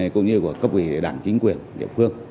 cũng như của cấp ủy đảng chính quyền địa phương